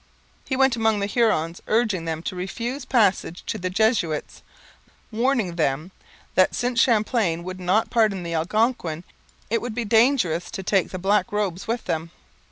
He went among the Hurons, urging them to refuse passage to the Jesuits, warning them that, since Champlain would not pardon the Algonquin, it would be dangerous to take the black robes with them.